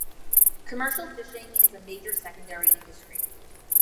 Commercial fishing is a major secondary industry.